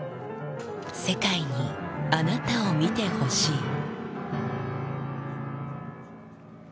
世界にあなたを見てほしい。